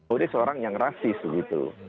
oh dia seorang yang rasis gitu